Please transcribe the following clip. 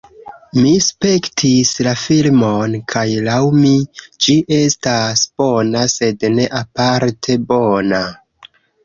Mi spektis la filmon kaj laŭ mi, ĝi estas bona sed ne aparte bona